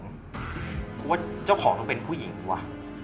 กูว่าเจ้าของต้องเป็นผู้หญิงดูว่ะ